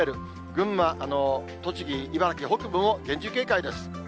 群馬、栃木、茨城北部も厳重警戒です。